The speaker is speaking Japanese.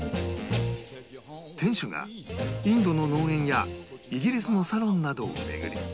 店主がインドの農園やイギリスのサロンなどを巡り